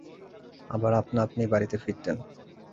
আবার আপনাআপনিই বাড়িতে ফিরতেন।